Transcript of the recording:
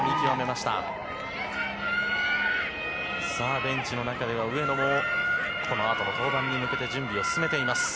ベンチの中では上野もこのあとの登板に向けて準備を進めています。